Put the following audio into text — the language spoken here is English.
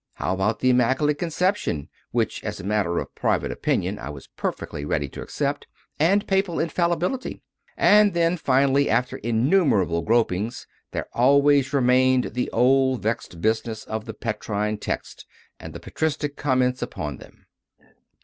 How about the Immaculate Conception which, as a matter of private opinion, I was perfectly ready to accept and Papal Infallibility? And then, finally, after innumerable gropings, there always remained the old vexed business of the Petrine Texts and the patristic comments upon them.